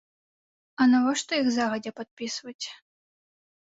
А навошта іх загадзя падпісваць?